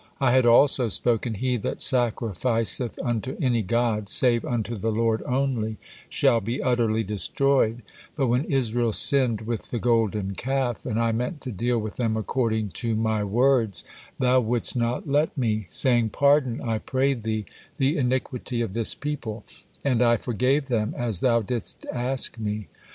I had also spoken, 'He that sacrificeth unto any god, save unto the Lord only, shall be utterly destroyed,' but when Israel sinned with the Golden Calf and I meant to deal with them according to My words, thou wouldst not let Me, saying: 'Pardon, I pray Thee, the iniquity of this people,' and I forgave them as thou didst ask Me.